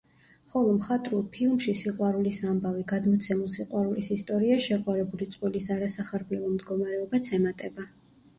ხოლო მხატვრულ ფილმში „სიყვარულის ამბავი,“ გადმოცემულ სიყვარულის ისტორიას, შეყვარებული წყვილის არასახარბიელო მდგომარეობაც ემატება.